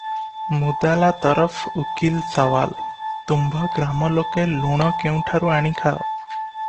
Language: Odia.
ମୁଦାଲା ତରଫ ଉକୀଲ ସୱାଲ - ତୁମ୍ଭ ଗ୍ରାମ ଲୋକେ ଲୁଣ କେଉଁଠାରୁ ଆଣି ଖାଅ?